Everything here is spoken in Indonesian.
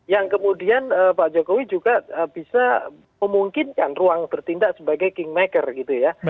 yang kemudian pak jokowi juga bisa memungkinkan ruang bertindak sebagai kingmaker gitu ya